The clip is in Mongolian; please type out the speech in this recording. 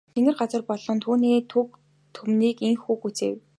Тэнгэр газар болон түүний түг түмнийг ийнхүү гүйцээв.